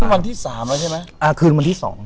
วันที่๓และถึงวันที่๒